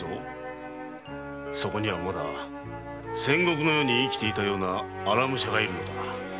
そこにはまだ戦国の世に生きていたような荒武者が居るんだ。